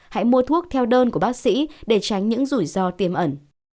hãy mua thuốc theo đơn của bác sĩ để tránh những rủi ro tiềm ẩn